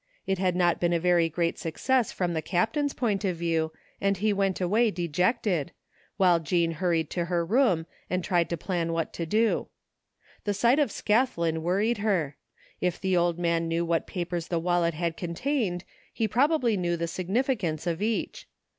It had not been a very great success from the Captain's point of view and he went away dejected, while Jean hurried to her room and tried to plan what to do. The sight of Scathlin worried her. I f the old man knew what papers the wal let had contained he probably knew the significance of each.